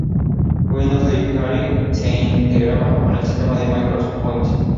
Windows Live Gallery se integraba con el sistema de Microsoft Points.